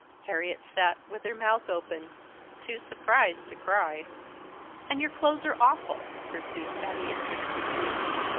Harriet sat with her mouth open, too surprised to cry. "And your clothes are awful," pursued Patty interestedly.